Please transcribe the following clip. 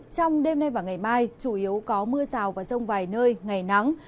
trong đêm nay và ngày mai chủ yếu có mưa rào và rông vài nơi ngày nắng